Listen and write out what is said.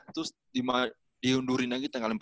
terus diundurin lagi tanggal empat belas lagi